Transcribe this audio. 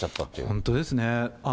本当ですね。